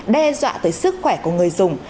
đe dọa tới sức khỏe của người dùng